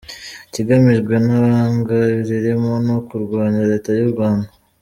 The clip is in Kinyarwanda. Ikigamijwe ntabanga ririmo no kurwanya Leta y’u Rwanda.